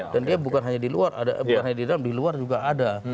dan dia bukan hanya di dalam di luar juga ada